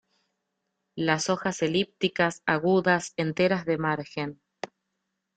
Las hojas elípticas, agudas, enteras de margen.